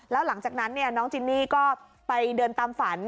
แล้วหลังจากนั้นน้องจินนี่ก็ไปเดินตามฝัน